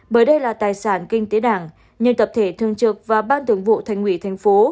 bởi đây là tài sản kinh tế đảng nhưng tập thể thường trực và ban thường vụ thành ủy thành phố